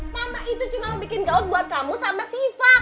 mama itu cuma mau bikin gaun buat kamu sama siva